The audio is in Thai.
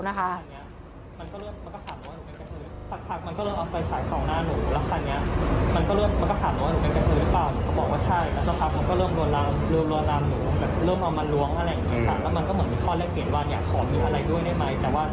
มันก็เริ่มมันก็ถามว่าหนูเป็นเกษตร